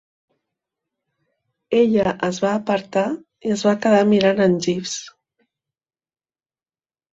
Ella es va apartar i es va quedar mirant en Jeeves.